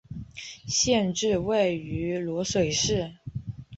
县治位于漯水市。